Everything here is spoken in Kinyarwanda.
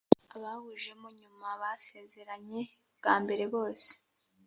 abawujemo nyuma basezeranye bwa mbere bose